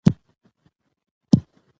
د درملنې لارې باید هر کس ته ځانګړې وي.